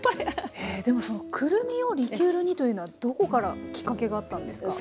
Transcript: へえでもそのくるみをリキュールにというのはどこからきっかけがあったんですか？